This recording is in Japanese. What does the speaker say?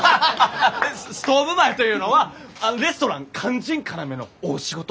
ストーブ前というのはレストラン肝心要の大仕事。